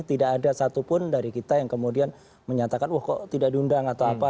tidak ada satupun dari kita yang kemudian menyatakan wah kok tidak diundang atau apa